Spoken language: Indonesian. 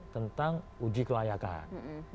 tentang uji kelayakan